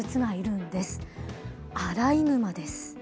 アライグマです。